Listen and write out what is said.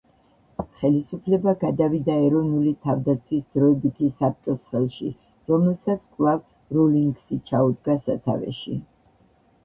ხელისუფლება გადავიდა ეროვნული თავდაცვის დროებითი საბჭოს ხელში, რომელსაც კვლავ როლინგსი ჩაუდგა სათავეში.